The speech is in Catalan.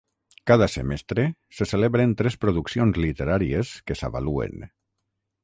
Cada semestre, se celebren tres produccions literàries que s'avaluen.